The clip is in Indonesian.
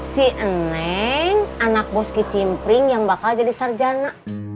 si eneng anak boski cimpring yang bakal jadi sarjana